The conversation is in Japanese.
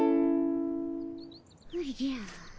おじゃ。